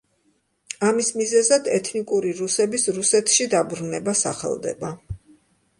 ამის მიზეზად ეთნიკური რუსების რუსეთში დაბრუნება სახელდება.